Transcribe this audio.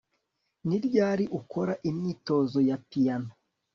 Ni ryari ukora imyitozo ya piyano